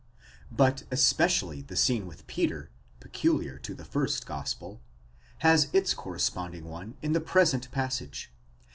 But especially the scene with Peter, peculiar to the first gospel, has its corresponding one in the present passage.